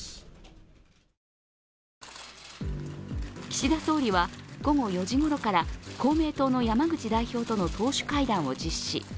岸田総理は午後４時すぎから公明党の山口代表との党首会談を実施。